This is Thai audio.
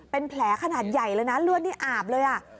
เป็นแผลขนาดใหญ่เลยนะเลือดนี่อาบเลย